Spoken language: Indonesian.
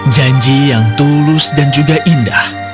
janji yang tulus dan juga indah